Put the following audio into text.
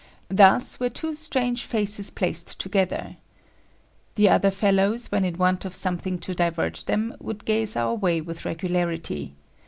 Thus were two strange faces placed together. The other fellows, when in want of something to divert them, would gaze our way with regularity.